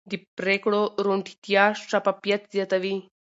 د پرېکړو روڼتیا شفافیت زیاتوي